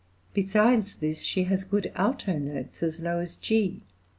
Besides this she has good alto notes, as low as G.